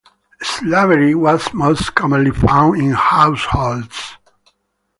Slavery was most commonly found in households.